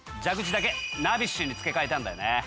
蛇口だけナビッシュに付け替えたんだよね。